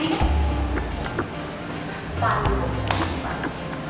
pandu suami pas